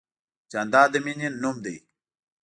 جانداد د مینې نوم دی.